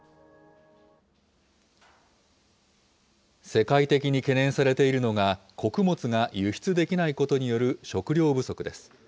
世界的に懸念されているのが、穀物が輸出できないことによる食糧不足です。